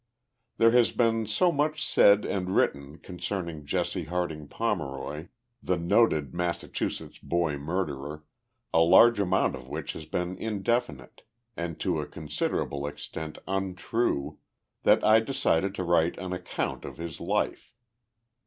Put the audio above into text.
There has been so much said and written concerning Jesse Harding Pomeroy, the noted Massachusetts boy murderer, a large amount of which has been indefinite and to a considerable extent untrue, that I decided to write an account of his life.